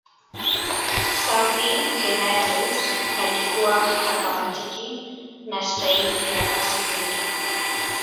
xavi hernandez alikuwa hakamatiki na staili ya pasi nyingi